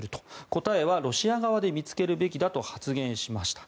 答えはロシア側で見つけるべきだと発言しました。